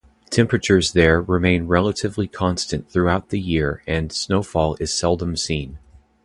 Temperatures there remain relatively constant throughout the year and snowfall is seldom seen.